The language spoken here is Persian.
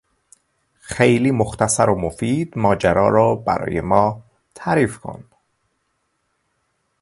خیلی مختصر و مفید ماجرا را برای ما تعریف کن